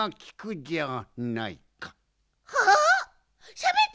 しゃべった！